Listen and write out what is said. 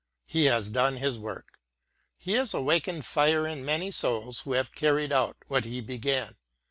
He has done his work. He has awakened fire in many <vil ^ who have carried out what he began.